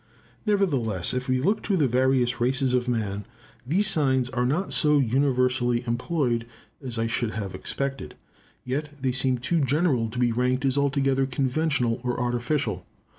Nevertheless if we look to the various races of man, these signs are not so universally employed as I should have expected; yet they seem too general to be ranked as altogether conventional or artificial.